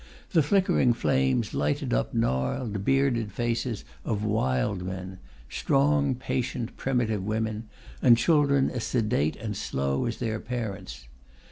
The flickering flames lighted up gnarled, bearded faces of wild men, strong, patient, primitive women, and children as sedate and slow as their parents.